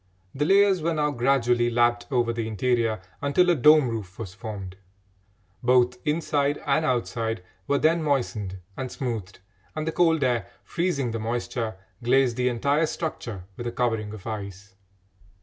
The layers were now gradually lapped over the interior until a dome roof was formed. Both inside and outside were then moistened and smoothed, and the cold air, freezing the moisture, glazed the entire structure with a covering of ice.